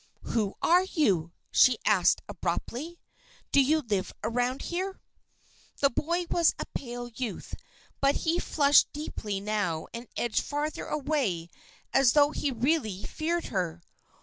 "Who are you?" she asked abruptly. "Do you live around here?" The boy was a pale youth, but he flushed deeply now and edged farther away, as though he really feared her.